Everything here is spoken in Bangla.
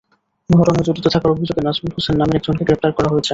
ঘটনায় জড়িত থাকার অভিযোগে নাজমুল হোসেন নামের একজনকে গ্রেপ্তার করা হয়েছে।